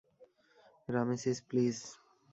Ramesses, please.